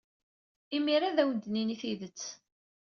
Imir-a ad awen-d-nini tidet.